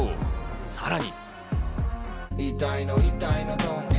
さらに。